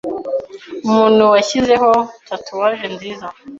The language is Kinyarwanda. umuntu washyizeho tatuwaje nziza